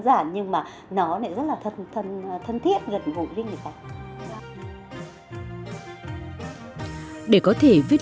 cứ như là một cái sức hút